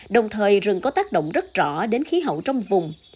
đồng thời rừng có tác động rất rõ đến khí hậu trong vùng